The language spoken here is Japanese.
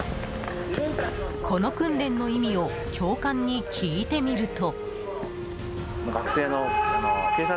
この訓練の意味を教官に聞いてみると。